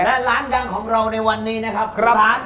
และร้านดังของเราในวันนี้นะครับ